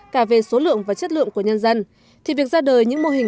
cả về số lượng và chất lượng của nhân dân